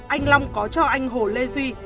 anh long có cho anh hồ lê duy